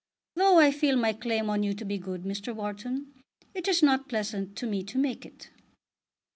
Though I feel my claim on you to be good, Mr. Wharton, it is not pleasant to me to make it."